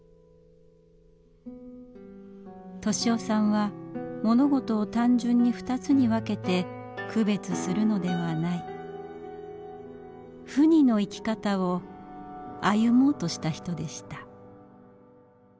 利雄さんは物事を単純に二つに分けて区別するのではない「不二」の生き方を歩もうとした人でした。